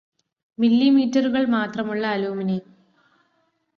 മില്ലിമീറ്ററുകൾ മാത്രമുള്ള അലുമിനിയം